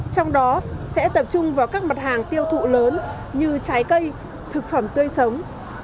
trong đó sẽ tập trung vào các mặt hàng tiêu thụ lớn như trái cây thực phẩm tươi sống